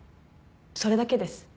それだけです。